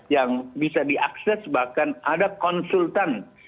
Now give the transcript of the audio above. yang bisa diakses bahkan ada konsultan